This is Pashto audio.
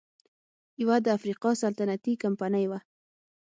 یوه د افریقا سلطنتي کمپنۍ وه.